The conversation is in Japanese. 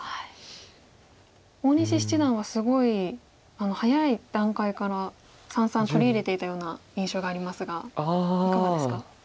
大西七段はすごい早い段階から三々取り入れていたような印象がありますがいかがですか？